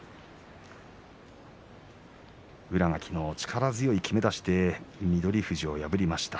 宇良が昨日、力強いきめ出しで翠富士を破りました。